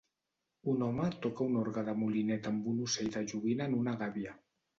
Un home toca un orgue de molinet amb un ocell de joguina en una gàbia.